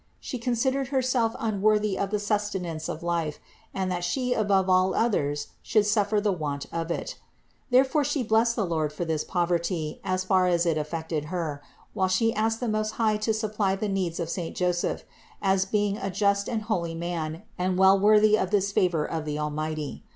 She con sidered Herself unworthy of the sustenance of life, and that She above all others should suffer the want of it. Therefore She blessed the Lord for this poverty as far as it affected Her, while She asked the Most High to supply the needs of saint Joseph, as being a just and holy man and well worthy of this favor of the Almighty.